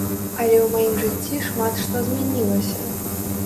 Але ў маім жыцці шмат што змянілася.